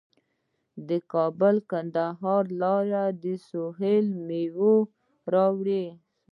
د کابل کندهار لاره د سویل میوې راوړي.